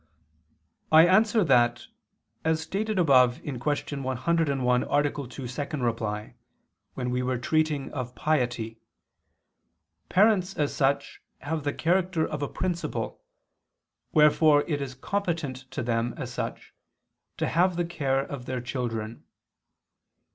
I answer that, As stated above (Q. 101, A. 2, ad 2) when we were treating of piety, parents as such have the character of a principle, wherefore it is competent to them as such to have the care of their children.